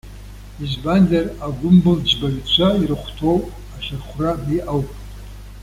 Избанзар агәымбылџьбаҩцәа ирыхәҭоу ахьырхәра абри ауп.